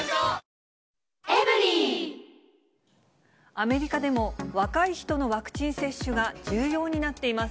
アメリカでも、若い人のワクチン接種が重要になっています。